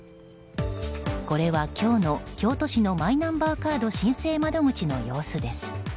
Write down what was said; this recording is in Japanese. これは、今日の京都市のマイナンバーカード申請窓口の様子です。